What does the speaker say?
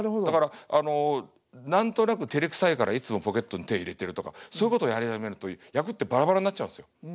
だから何となくてれくさいからいつもポケットに手入れてるとかそういうことやり始めると役ってバラバラになっちゃうんですよ。